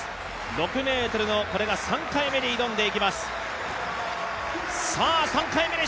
６ｍの３回目に挑んでいきます。